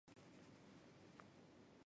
海南便蛛为缕网蛛科便蛛属的动物。